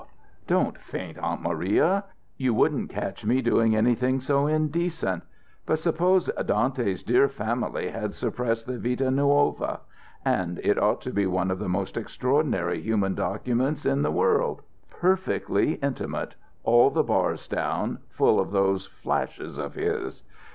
"Don't faint, Aunt Maria. You wouldn't catch me doing anything so indecent. But suppose Dante's dear family had suppressed the Vita Nuova. And it ought to be one of the most extraordinary human documents in the world, perfectly intimate, all the bars down, full of those flashes of his.